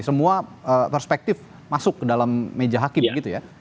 semua perspektif masuk ke dalam meja hakim gitu ya